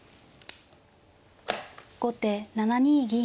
後手７二銀。